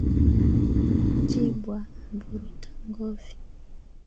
Jibwa aburuta ngovi